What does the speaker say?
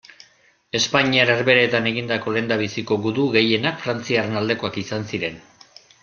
Espainiar Herbehereetan egindako lehendabiziko gudu gehienak frantziarren aldekoak izan ziren.